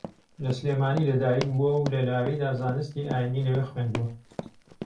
لە سلێمانی لەدایکبووە و لە لاویدا زانستی ئایینی لەوێ خوێندووە